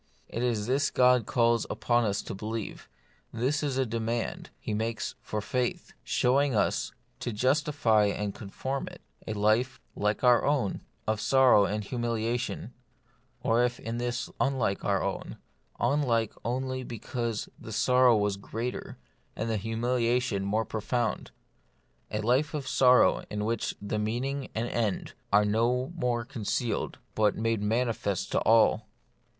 It is this God calls upon us to believe ; this is a demand He makes for faith, showing us, to justify and confirm it, a life, like our own, of sorrow and humiliation ; or if in this unlike our own, un like only because the sorrow was greater, and the humiliation more profound ; a life of sor row in which the meaning and the end are no The Mystery of Pain. 75 more concealed, but made manifest to all.